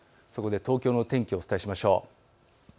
東京の天気をお伝えしましょう。